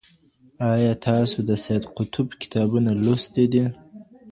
آیا تاسو د سید قطب کتابونه لوستي دي؟